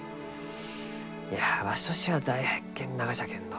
いやわしとしては大発見ながじゃけんど。